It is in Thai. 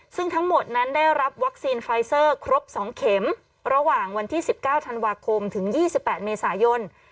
ซึ่งทั้งหมดนั้นได้รับวัคซีนไฟเซอร์ครบ๒เข็มระหว่างวันที่๑๙ธันวาคมถึง๒๘เมษายน